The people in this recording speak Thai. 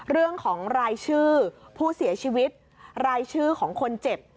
เรื่องของรายชื่อผู้เสียชีวิตรายชื่อของคนเจ็บ